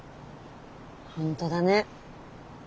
本当だね。